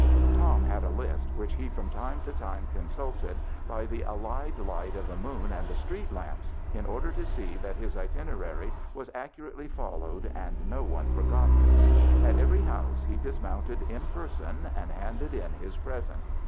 Tom had a list which he from time to time consulted by the allied light of the moon and the street lamps, in order to see that his itinerary was accurately folloAved and no one forgotten. At every house he dismounted in person and handed in his present.